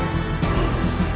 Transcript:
sangat sudah tidak sabar